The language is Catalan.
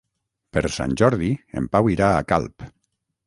Per Sant Jordi en Pau irà a Calp.